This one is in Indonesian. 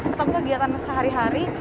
ataupun kegiatan sehari hari